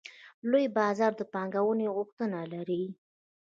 لوی بازار د پانګونې غوښتنه لري.